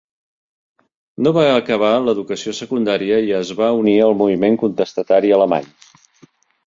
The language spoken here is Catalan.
No va acabar l'educació secundària i es va unir al moviment contestatari alemany.